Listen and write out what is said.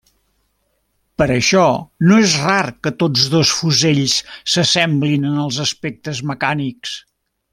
Per això no és rar que tots dos fusells s'assemblin en els aspectes mecànics.